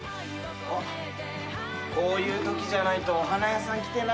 あっこういうときじゃないとお花屋さん来てないなぁ。